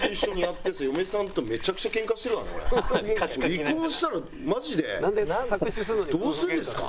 離婚したらマジでどうするんですか！？